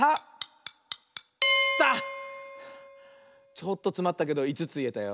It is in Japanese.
ちょっとつまったけど５ついえたよ。